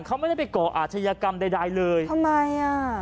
เขาไม่ได้ไปก่ออาชญากรรมใดใดเลยทำไมอ่ะ